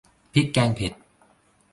พริกแกงเผ็ด